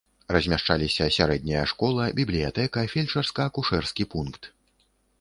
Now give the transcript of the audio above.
Размяшчаліся сярэдняя школа, бібліятэка, фельчарска-акушэрскі пункт.